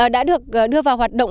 đã được đưa vào hoạt động